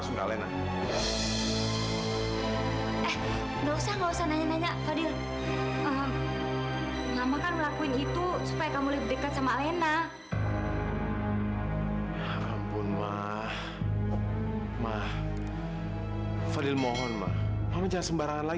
sampai jumpa di video selanjutnya